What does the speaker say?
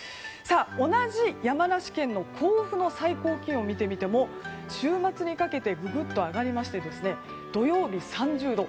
同じ山梨県の甲府の最高気温を見てみても週末にかけてググっと上がりまして土曜日、３０度。